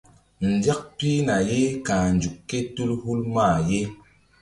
Nzak pihna ye ka̧h nzuk kétul hul mah ye.